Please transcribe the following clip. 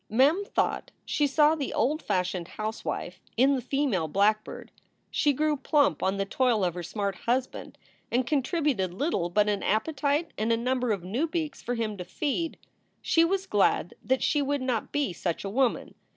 Mem thought she saw the old fashioned housewife in the SOULS FOR SALE 291 female blackbird. She grew plump on the toil of her smart husband, and contributed little but an appetite and a number of new beaks for him to feed. She was glad that she would not be such a woman.